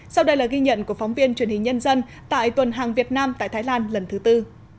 sau đây là ghi nhận của phóng viên truyền hình nhân dân tại tuần hàng việt nam tại thái lan lần thứ tư